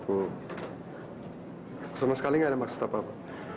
aku sama sekali gak ada maksud apa apa